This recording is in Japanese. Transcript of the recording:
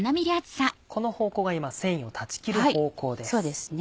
この方向が繊維を断ち切る方向です。